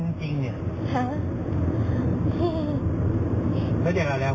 ทีไ้ไหวที่สื่อสำคัญหน่อยนะครับ